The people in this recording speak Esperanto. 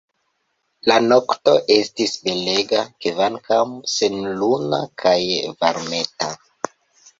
La nokto estis belega, kvankam senluna, kaj varmeta.